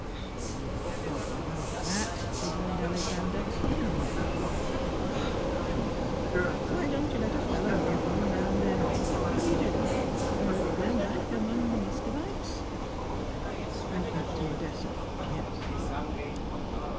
"We won't quarrel about that," rejoined Alexander, with a merry look. "But come now, why don't you let a fellow hear from you now and then? What are you doing? Going back among the Muscovites?" "Straight back to Odessa, yes."